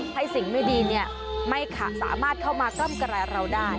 ให้สิ่งไม่ดีเนี่ยไม่สามารถเข้ามากล้ำกระแร่เราได้